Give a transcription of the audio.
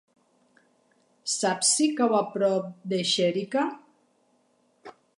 Saps si cau a prop de Xèrica?